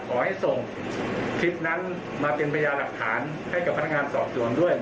ก็ร่วมกับแทนประจำโรงพยาบาลทำการเป็นภารณสุขที่สุดนะครับ